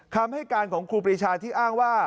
คำให้การของครูปรีชาที่อ้างว่า